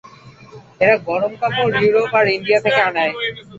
এরা গরম কাপড় ইউরোপ আর ইণ্ডিয়া থেকে আনায়।